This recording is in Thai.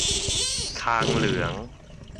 คางเหลือง